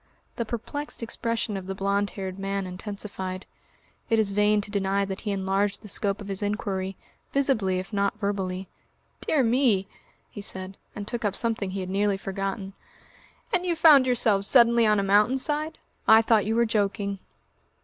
The perplexed expression of the blond haired man intensified. It is vain to deny that he enlarged the scope of his inquiry, visibly if not verbally. "Dear me!" he said, and took up something he had nearly forgotten. "And you found yourselves suddenly on a mountain side? ... I thought you were joking."